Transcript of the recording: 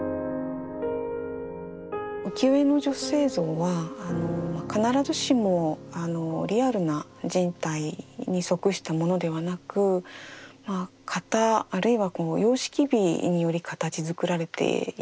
浮世絵の女性像は必ずしもリアルな人体に則したものではなく型あるいは様式美により形づくられています。